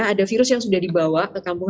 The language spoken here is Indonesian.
ada virus yang sudah dibawa ke kampung